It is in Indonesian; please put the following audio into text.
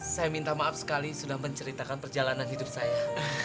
saya minta maaf sekali sudah menceritakan perjalanan hidup saya